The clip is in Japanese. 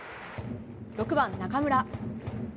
６番、中村。